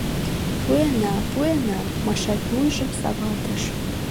— Пуэна, пуэна, — Маша вуйжым савалтыш.